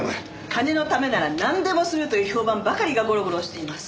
金のためならなんでもするという評判ばかりがゴロゴロしています。